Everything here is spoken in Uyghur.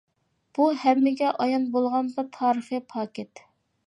بۇ ھەممىگە ئايان بولغان بىر تارىخىي پاكىت.